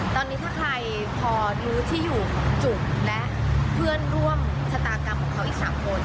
ตอนนี้ถ้าใครพอรู้ที่อยู่จุกและเพื่อนร่วมชะตากรรมของเขาอีก๓คน